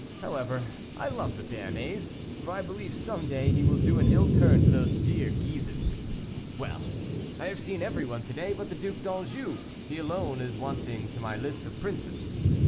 However, I love the Béarnais, for I believe some day he will do an ill turn to those dear Guises. Well! I have seen everyone to day but the Duc d'Anjou; he alone is wanting to my list of princes.